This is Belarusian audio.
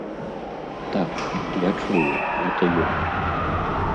Так, я чую, гэта ён.